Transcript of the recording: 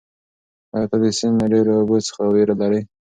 ایا ته د سیند له ډېرو اوبو څخه وېره لرې؟